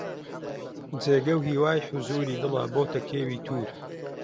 جێگە و هیوای حوزووری دڵە بۆتە کێوی توور